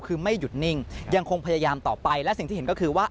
คือไม่หยุดนิ่งยังคงพยายามต่อไปและสิ่งที่เห็นก็คือว่า